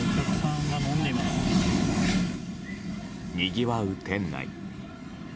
にぎわう店内。